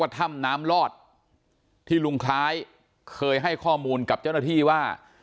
นอนถ้ำน้ำลอดที่ลุงคล้ายได้ให้ค่อยบอกข้อมูลว่า